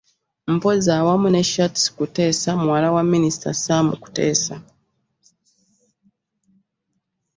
Mpozzi wamu ne Shatsi Kuteesa muwala wa minisita Sam Kuteesa